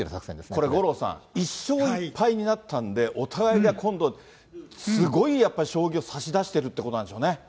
これ五郎さん、１勝１敗になったんで、お互いが今度、すごいやっぱり将棋を指しだしてるっていうことなんでしょうね。